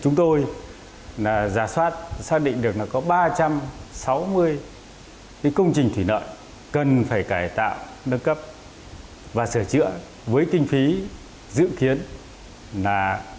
chúng tôi giả soát xác định được có ba trăm sáu mươi công trình thủy lợi cần phải cải tạo nâng cấp và sửa chữa với kinh phí dự kiến là